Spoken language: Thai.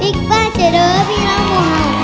บิ๊กบ้านเช็ดเดิมพี่น้องโมเห่า